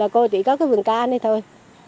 cô chỉ có vườn cao này thôi